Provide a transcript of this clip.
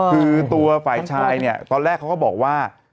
คือตัวฝ่ายชายเนี่ยตอนแรกเขาก็บอกว่า